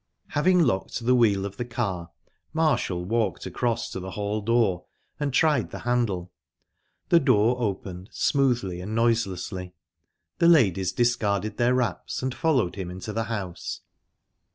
Having locked the wheel of the car Marshall walked across to the hall door, and tried the handle. The door opened smoothly and noiselessly. The ladies discarded their wraps, and followed him into the house.